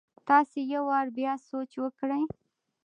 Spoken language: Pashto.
تاسي يو وار بيا سوچ وکړئ!